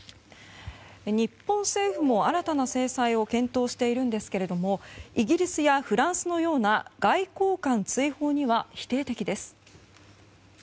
日本政府も新たな制裁を検討しているんですけれどもイギリスやフランスのような外交官追放には否定的です。